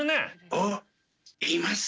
おっいます。